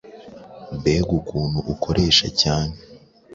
Mbega ukuntu ukoresha cyane,